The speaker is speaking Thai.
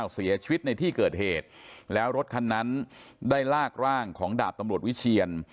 เสียชีวิตในที่เกิดเหตุแล้วรถคันนั้นได้ลากร่างของดาบตำรวจวิเชียน